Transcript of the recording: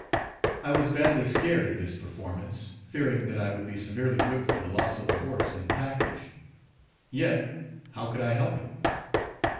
I was badly scared at this peformance, fearing that I would be severely whipped for the loss of the horse and package. Yet how could I help it?